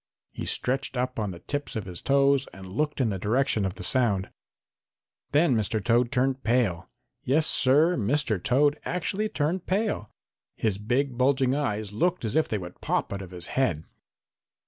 He stretched up on the tips of his toes and looked in the direction of the sound. Then Mr. Toad turned pale. Yes, Sir, Mr. Toad actually turned pale! His big, bulging eyes looked as if they would pop out of his head.